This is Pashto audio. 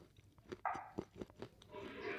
ماشومان له اوږدې مودې راهیسې زده کړه کوي.